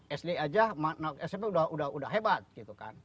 sd aja smp udah hebat gitu kan